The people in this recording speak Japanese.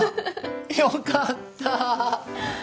よかった！